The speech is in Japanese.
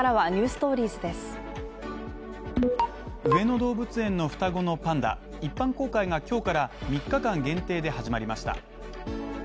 上野動物園の双子のパンダ一般公開が今日から３日間限定で始まりました。